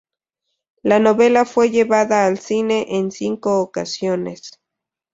La novela fue llevada al cine en cinco ocasiones.